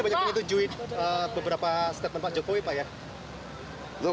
bagaimana menunjukkan beberapa statement pak jokowi pak